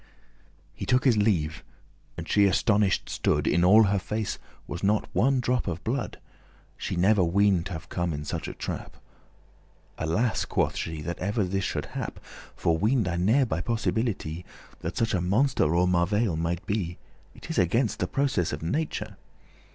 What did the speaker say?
live or die* He took his leave, and she astonish'd stood; In all her face was not one drop of blood: She never ween'd t'have come in such a trap. "Alas!" quoth she, "that ever this should hap! For ween'd I ne'er, by possibility, That such a monster or marvail might be; It is against the process of nature."